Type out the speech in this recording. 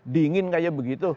dingin kayak begitu